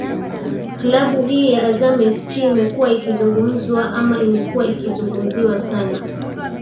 klabu hii ya azam fc imekuwa ikizungumzwa ama imekuwa ikizungumziwa sana